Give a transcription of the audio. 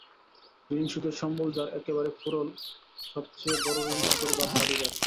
ঋণশোধের সম্বল যার একেবারে ফুরোল সব চেয়ে বড়ো ঋণশোধের ভার তারই ঘাড়ে।